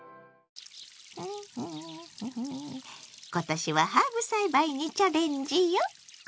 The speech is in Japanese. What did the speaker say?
今年はハーブ栽培にチャレンジよ！